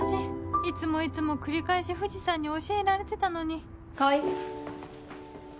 いつもいつも繰り返し藤さんに教えられてたのに